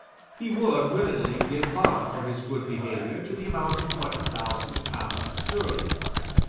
He would willingly give bond for his good behaviour to the amount of twenty thousand pounds sterling.